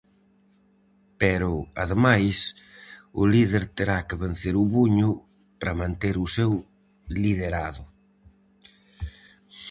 Pero, ademais, o líder terá que vencer o Buño para manter o seu liderado.